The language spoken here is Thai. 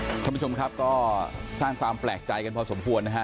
คุณผู้ชมครับก็สร้างความแปลกใจกันพอสมควรนะฮะ